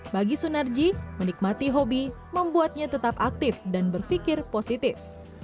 bagi sunarji menikmati hobi membuatnya tetap aktif dan berpikir positif